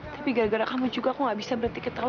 tapi gara gara kamu juga saya tidak bisa berhenti ketawa